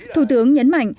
thủ tướng nhấn mạnh